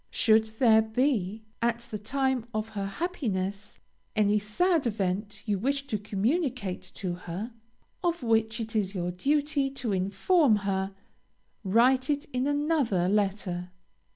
Should there be, at the time of her happiness, any sad event you wish to communicate to her, of which it is your duty to inform her, write it in another letter.